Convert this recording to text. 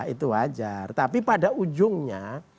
itu wajar tapi pada ujungnya